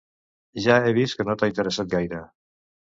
Ja he vist que no t'ha interessat gaire.